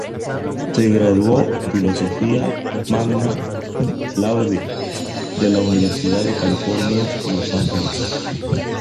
Se graduó en filosofía "magna cum laude" de la Universidad de California, Los Ángeles.